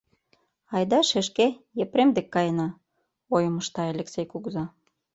— Айда, шешке, Епрем дек каена, — ойым ышта Элексей кугыза.